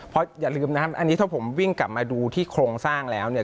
เพราะอย่าลืมนะครับอันนี้ถ้าผมวิ่งกลับมาดูที่โครงสร้างแล้วเนี่ย